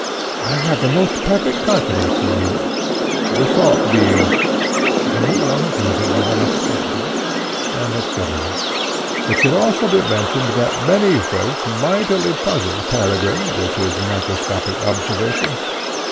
"I have the most perfect confidence in you;" the thought being, "I knew long ago that you were a scoundrel," &c. c. It should also be mentioned that many folks mightily puzzled Peregrine with his microscopic observations.